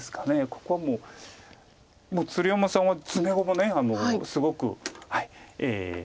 ここはもう鶴山さんは詰碁もすごく。